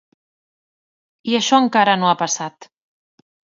I això encara no ha passat.